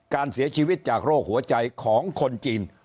การเสียชีวิตจากโรคหัวใจของคนจีน